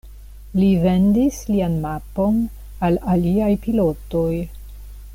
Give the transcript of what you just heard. Li vendis lian mapon al aliaj pilotoj.